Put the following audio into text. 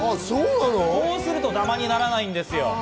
こうするとダマにならないんですよ。